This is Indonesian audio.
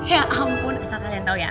ya ampun asal kalian tau ya